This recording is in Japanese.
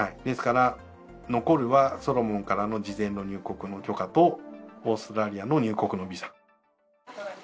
ですから残るはソロモンからの事前の入国の許可とオーストラリアの入国のビザ。